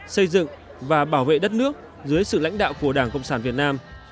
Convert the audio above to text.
xây dựng và bảo vệ đất nước dưới sự lãnh đạo của đảng cộng sản việt nam